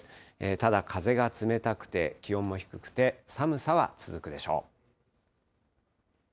ただ、風が冷たくて気温も低くて、寒さは続くでしょう。